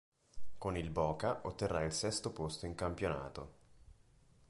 Con il Boca otterrà il sesto posto in campionato.